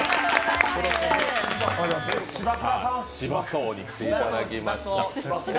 柴倉さんに来ていただきました。